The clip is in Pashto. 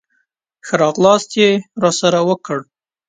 ښه راغلاست یې راسره وکړ.